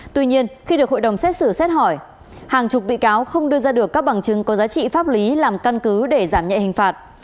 tuy nhiên khi được hội đồng xét xử xét hỏi hàng chục bị cáo không đưa ra được các bằng chứng có giá trị pháp lý làm căn cứ để giảm nhẹ hình phạt